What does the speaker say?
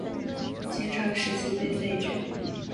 秦朝时期被废止。